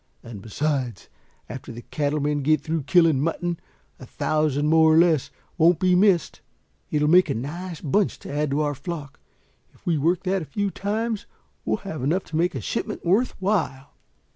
And besides, after the cattle men get through killing mutton, a thousand more or less won't be missed. It'll make a nice bunch to add to our flock. If we work that a few times we'll have enough to make a shipment worth while."